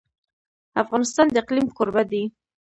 افغانستان د اقلیم کوربه دی.